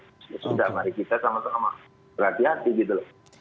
ya sudah mari kita sama sama berhati hati gitu loh